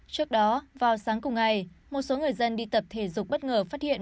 trước đó vào sáng cùng ngày một số người dân đi tập thể dục bất ngờ phát hiện